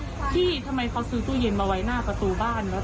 พี่ทำไมเขาซื้อตู้เย็นมาไว้หน้าประตูบ้านวะ